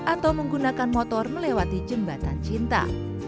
atau menggunakan motor melewati jembatan cinta